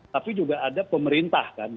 tapi juga ada pemerintah